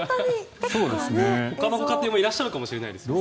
ほかのご家庭もいらっしゃるかもしれませんね。